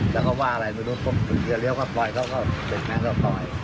แล้วก็ว่าอะไรมีรู้สึกที่เรียวก็ปล่อยเขาก็เป็นแม่งก็ปล่อย